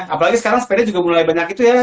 apalagi sekarang sepeda juga mulai banyak itu ya